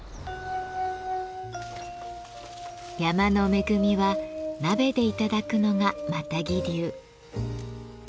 山の恵みは鍋で頂くのがマタギ流。